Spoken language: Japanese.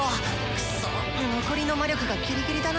くっそ残りの魔力がギリギリだな。